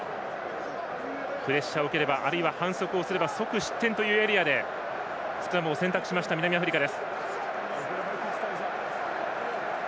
プレッシャーを受ければあるいは反則を受ければ即失点というエリアでスクラムを選択した南アフリカ。